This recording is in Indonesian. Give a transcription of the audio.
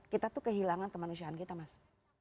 kita tuh kehilangan kemanusiaan kita mas